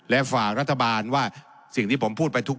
และฝากรัฐบาลว่าสิ่งที่ผมพูดไปทุก